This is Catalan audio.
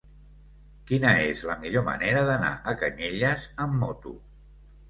Quina és la millor manera d'anar a Canyelles amb moto?